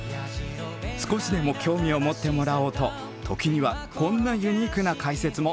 少しでも興味を持ってもらおうと時にはこんなユニークな解説も。